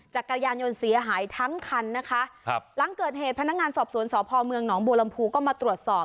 จักรยานยนต์เสียหายทั้งคันนะคะครับหลังเกิดเหตุพนักงานสอบสวนสพเมืองหนองบัวลำพูก็มาตรวจสอบ